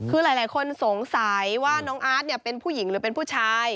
คือหลายคนสงสัยว่าน้องอาร์ตเป็นผู้หญิงหรือเป็นผู้ชาย